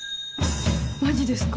マジですか。